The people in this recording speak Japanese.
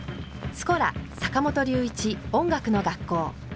「スコラ坂本龍一音楽の学校」。